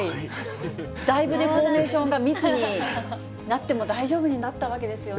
だいぶフォーメーションが密になっても大丈夫になったわけですよね。